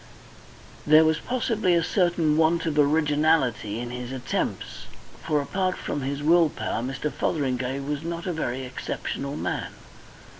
There was possibly a certain want of originality in his attempts, for, apart from his will power, Mr. Fotheringay was not a very exceptional man.